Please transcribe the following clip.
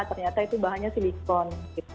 ternyata itu bahannya silikon